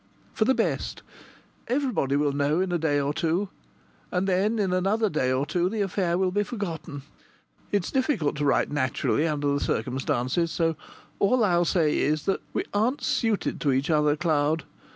" for the best. Everybody will know in a day or two, and then in another day or two the affair will be forgotten. It's difficult to write naturally under the circumstances, so all I'll say is that we aren't suited to each other, Cloud.